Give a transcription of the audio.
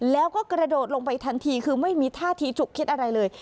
แล้วก็กระโดดลงไปทันทีคือไม่มีท่าทีจุกคิดอะไรเลย